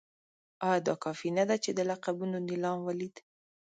ایا دا کافي نه ده چې د لقبونو نېلام ولید.